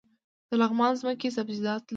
د لغمان ځمکې سبزیجات لري